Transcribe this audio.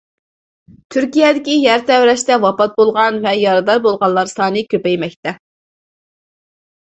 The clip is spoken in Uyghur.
تۈركىيەدىكى يەر تەۋرەشتە ۋاپات بولغان ۋە يارىدار بولغانلار سانى كۆپەيمەكتە.